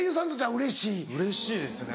うれしいですね。